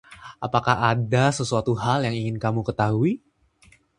Apakah ada sesuatu hal yang ingin kau ketahui?